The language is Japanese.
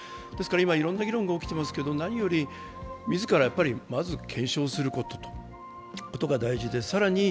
今、いろんな議論が起きていますけれども、何より、自らまず検証することが大事で更に